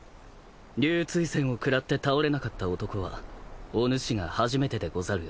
龍槌閃をくらって倒れなかった男はおぬしが初めてでござるよ。